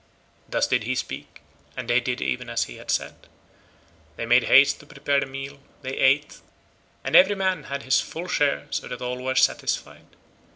Thus did he speak, and they did even as he had said. They made haste to prepare the meal, they ate, and every man had his full share so that all were satisfied.